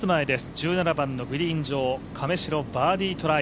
１７番のグリーン上亀代、バーディートライ